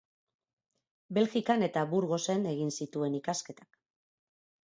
Belgikan eta Burgosen egin zituen ikasketak.